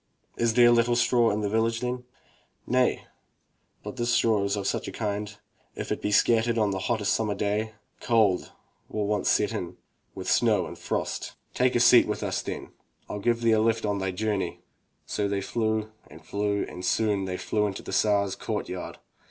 "Is there little straw in the village, then?" "Nay, but this straw is of such a kind that if it be scattered on the hottest summer day, cold will at once set in, with snow and frost." i86 THROUGH FAIRY HALLS 'Take a seat with us then. FU give thee a lift on thy journey/' So they flew and flew and soon they flew into the Tsar's court yard.